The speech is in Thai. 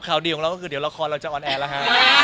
ข่าวดีของเราก็คือเดี๋ยวละครเราจะออนแอร์แล้วฮะ